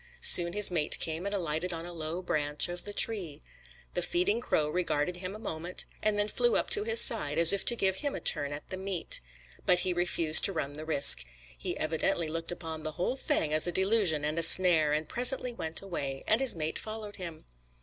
Soon his mate came and alighted on a low branch of the tree. The feeding crow regarded him a moment, and then flew up to his side, as if to give him a turn at the meat. But he refused to run the risk. He evidently looked upon the whole thing as a delusion and a snare, and presently went away, and his mate followed him.